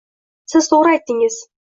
Siz to’g’ri aytdingiz